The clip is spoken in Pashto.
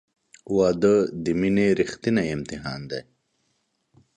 • واده د مینې ریښتینی امتحان دی.